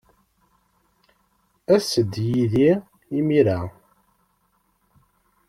As-d yid-i imir-a.